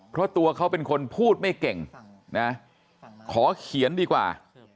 เพราะตัวเขาเป็นคนพูดไม่เก่งนะขอเขียนดีกว่า